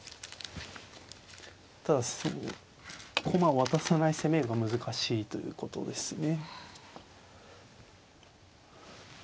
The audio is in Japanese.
ただ駒を渡さない攻めが難しいということですね。